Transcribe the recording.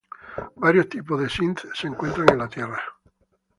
Varios tipos de synth se encuentran en la tierra.